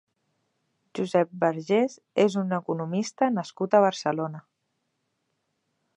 Josep Vergés és un economista nascut a Barcelona.